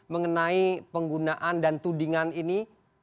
mengenai penggunaan dan tudingan ini